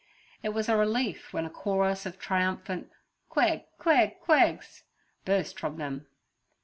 It was a relief when a chorus of triumphant 'Queg, queg, quegs!' burst from them.